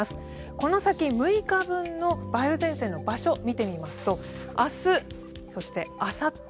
この先、６日分の梅雨前線の場所を見てみますと明日、そしてあさって